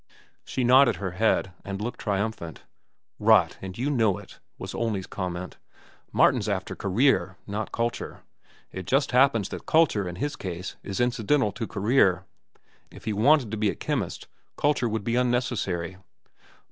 She nodded her head and looked triumph. "Rot, and you know it," was Olney's comment. "Martin's after career, not culture. It just happens that culture, in his case, is incidental to career. If he wanted to be a chemist, culture would be unnecessary.